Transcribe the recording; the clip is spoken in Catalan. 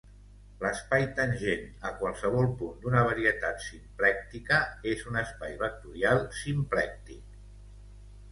L'espai tangent a qualsevol punt d'una varietat simplèctica és un espai vectorial simplèctic.